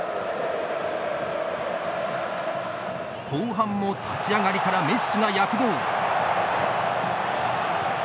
後半も立ち上がりからメッシが躍動。